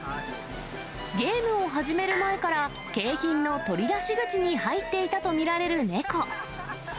ゲームを始める前から景品の取り出し口に入っていたと見られる猫。